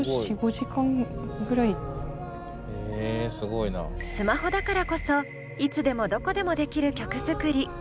おうちスマホだからこそいつでもどこでもできる曲作り。